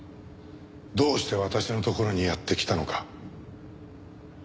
どうして私のところにやって来たのか。